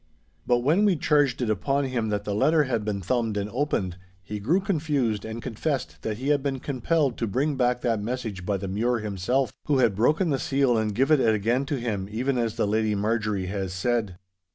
But when we charged it upon him that the letter had been thumbed and opened, he grew confused and confessed that he had been compelled to bring back that message by Mure himself, who had broken the seal and given it again to him, even as the Lady Marjorie has said.